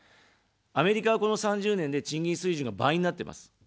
アメリカは、この３０年で賃金水準が倍になってます。